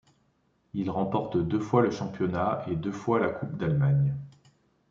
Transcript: Il remporte deux fois le championnat et deux fois la coupe d'Allemagne.